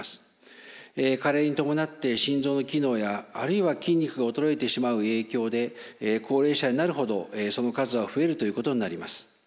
加齢に伴って心臓の機能やあるいは筋肉が衰えてしまう影響で高齢者になるほどその数は増えるということになります。